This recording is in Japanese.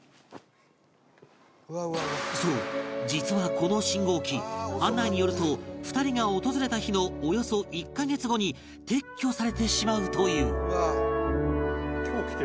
そう実はこの信号機案内によると２人が訪れた日のおよそ１カ月後に撤去されてしまうという